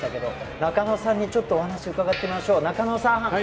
中野さんにお話を伺ってみましょう。